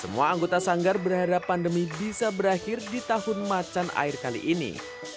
semua anggota sanggar berharap pandemi bisa berakhir di tahun macan air kali ini